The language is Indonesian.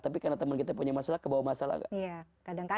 tapi karena teman kita punya masalah kebawa masalah gak